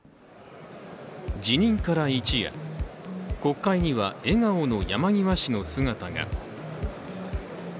辞任から一夜、国会には笑顔の山際氏の姿が。